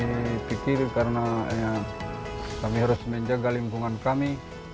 ya kami kira kira kami pikir karena ya kami harus menjaga lingkungan kami